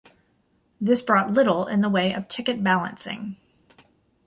This brought little in the way of ticket balancing.